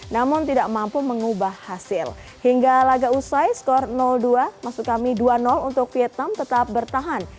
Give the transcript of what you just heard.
namun tidak mampu mengubah hasil hingga laga usai skor dua maksud kami dua untuk vietnam tetap bertahan